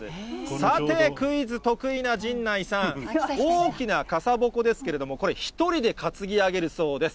さて、クイズ得意な陣内さん、大きな傘鉾ですけれども、これ、１人で担ぎ上げるそうです。